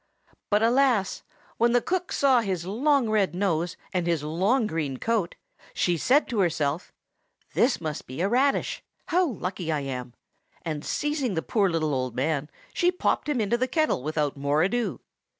But, alas! when the cook saw his long red nose and his long green coat, she said to herself, "This must be a radish! How lucky I am!" and seizing the poor little old man, she popped him into the kettle without more ado.